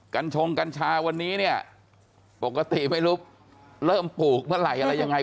กงกัญชาวันนี้เนี่ยปกติไม่รู้เริ่มปลูกเมื่อไหร่อะไรยังไง